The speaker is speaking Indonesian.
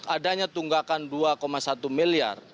adanya tunggakan dua satu miliar